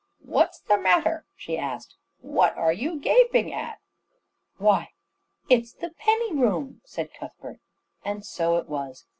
"What's the matter?" she asked. "What are you gaping at?" "Why, it's the penny room!" said Cuthbert; and so it was.